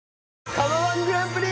釜−１グランプリ！